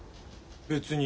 別に。